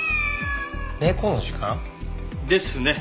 猫の時間？ですね。